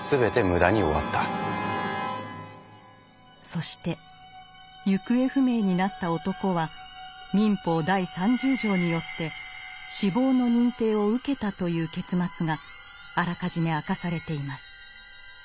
そして行方不明になった男は民法第三十条によって死亡の認定を受けたという結末があらかじめ明かされています。